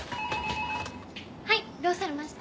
はいどうされました？